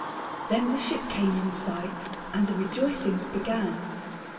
Then the ship came in sight and the rejoicings began.